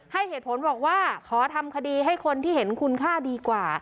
ให้เหตุผลบอกว่าขอทำคดีให้คนที่เห็นคุณค่าดีกว่า